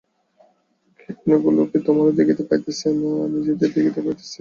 কীটাণুগুলিকে তোমরা দেখিতে পাইতেছ না, নিজেদেরই দেখিতে পাইতেছ।